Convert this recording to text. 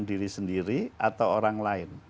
diri sendiri atau orang lain